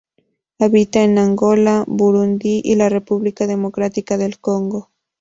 Habita en Angola, Burundi y la República Democrática del Congo.